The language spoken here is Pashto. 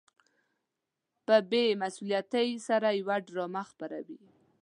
په بې مسؤليتۍ سره يوه ډرامه خپروي.